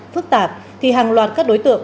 phức tạp thì hàng loạt các đối tượng